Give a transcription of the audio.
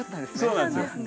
そうなんですよ。